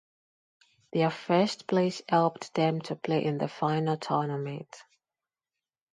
Their first place helped them to play in the final tournament.